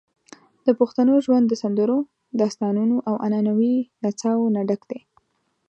د پښتنو ژوند د سندرو، داستانونو، او عنعنوي نڅاوو نه ډک دی.